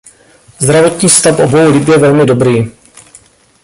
Zdravotní stav obou lip je velmi dobrý.